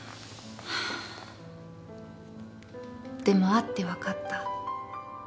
でも会って分かった。